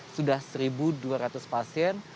sudah satu dua ratus pasien